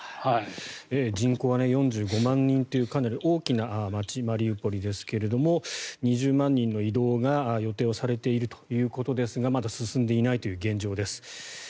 人口は４５万人というかなり大きな街マリウポリですが２０万人の移動が予定されているということですがまだ進んでいないという現状です。